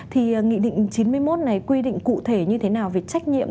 thì nghị định chín mươi một này quy định cụ thể như thế nào về trách nhiệm